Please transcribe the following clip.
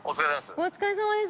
お疲れさまです。